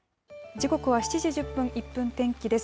時刻は７時１０分、１分天気です。